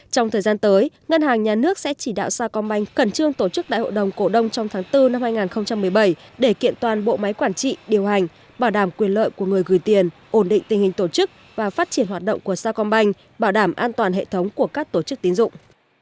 trong thời gian tới ngân hàng nhà nước sẽ chỉ đạo sacombank khẩn trương tổ chức đại hội đồng cổ đông trong tháng bốn năm hai nghìn một mươi bảy để kiện toàn bộ máy quản trị điều hành bảo đảm quyền lợi của người gửi tiền ổn định tình hình tổ chức và phát triển hoạt động của sacombank bảo đảm an toàn hệ thống của các tổ chức tín dụng